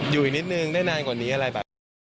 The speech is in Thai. อยู่อีกนิดนึงได้นานกว่านี้อะไรแบบนี้